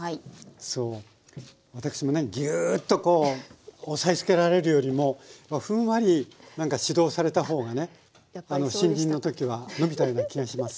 私もねギューッとこう押さえつけられるよりもふんわりなんか指導されたほうがね新人の時は伸びたような気がします。